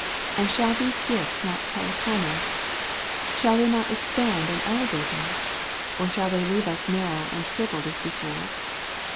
And shall these gifts not teU upon us ? shall they not expand and elevate us ? or shall they leave us narrow and shrivelled as before